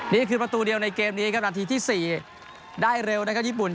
นี่คือประตูเดียวในเกมนี้ครับนาทีที่๔ได้เร็วนะครับญี่ปุ่น